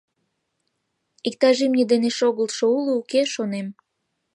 «Иктаже имне дене шогылтшо уло, уке?» — шонем.